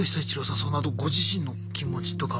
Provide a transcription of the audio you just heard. そのあとご自身の気持ちとかは。